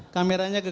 kameranya ke grafik